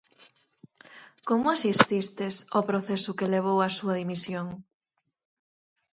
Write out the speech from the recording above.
Como asististes ao proceso que levou á súa dimisión?